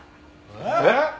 えっ！？